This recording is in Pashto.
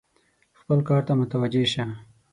خپل کار ته متوجه شه !